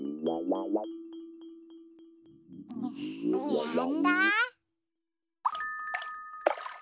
やんだ？